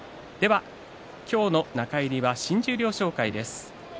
今日の中入りは新十両紹介です。